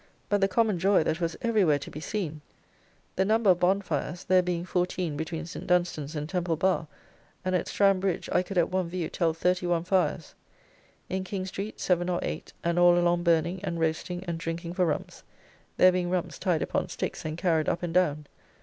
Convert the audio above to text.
But the common joy that was every where to be seen! The number of bonfires, there being fourteen between St. Dunstan's and Temple Bar, and at Strand Bridge' I could at one view tell thirty one fires. In King street seven or eight; and all along burning, and roasting, and drinking for rumps. There being rumps tied upon sticks and carried up and down.